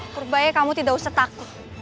purbaya kamu tidak usah takut